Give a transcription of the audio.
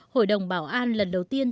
hội đồng bảo an lần đầu tiên